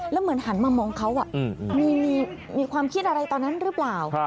แล้วเหมือนหันมามองเขามีความคิดอะไรตอนนั้นหรือเปล่า